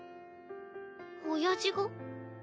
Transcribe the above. おやじが？